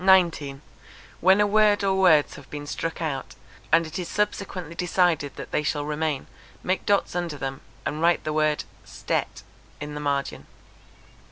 When a word or words have been struck out, and it is subsequently decided that they shall remain, make dots under them, and write the word stet in the margin.